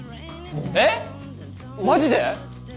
え⁉マジで？